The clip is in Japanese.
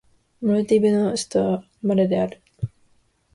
モルディブの首都はマレである